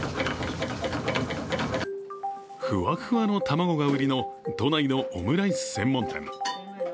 ふわっふわの卵が売りの都内のオムライス専門店。